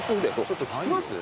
ちょっと聞きます？